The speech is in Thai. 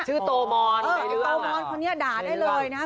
ชื่อโตมอนไอ้เรื่องอะไรโตมอนคนนี้ด่าได้เลยนะฮะ